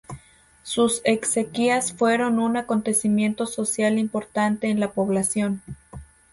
Sus exequias fueron un acontecimiento social importante en la población.